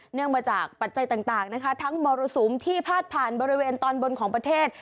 มาจากปัจจัยต่างนะคะทั้งมรสุมที่พาดผ่านบริเวณตอนบนของประเทศ